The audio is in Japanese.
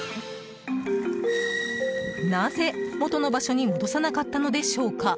なぜ、元の場所に戻さなかったのでしょうか。